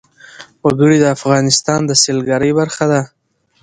وګړي د افغانستان د سیلګرۍ برخه ده.